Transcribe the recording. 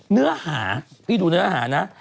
เนื้อหาพี่ดูเนื้อหานะ